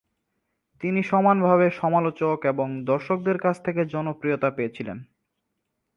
তিনি সমানভাবে সমালোচক এবং দর্শকদের কাছ থেকে জনপ্রিয়তা পেয়েছিলেন।